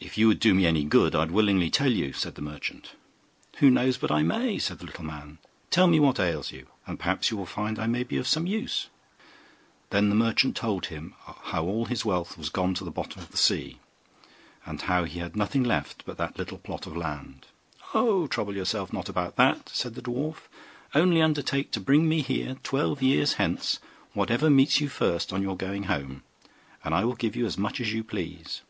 'If you would do me any good I would willingly tell you,' said the merchant. 'Who knows but I may?' said the little man: 'tell me what ails you, and perhaps you will find I may be of some use.' Then the merchant told him how all his wealth was gone to the bottom of the sea, and how he had nothing left but that little plot of land. 'Oh, trouble not yourself about that,' said the dwarf; 'only undertake to bring me here, twelve years hence, whatever meets you first on your going home, and I will give you as much as you please.